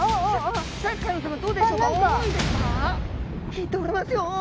引いておりますよ！